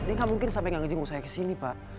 dia gak mungkin sampai gak ngejenguk saya kesini pak